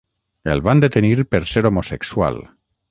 El van detenir per ser homosexual.